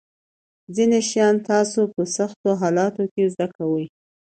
ځینې شیان تاسو په سختو حالاتو کې زده کوئ.